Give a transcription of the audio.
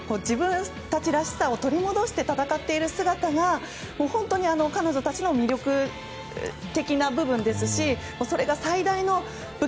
自分たちらしさを取り戻して戦っている姿が本当に彼女たちの魅力的な部分ですし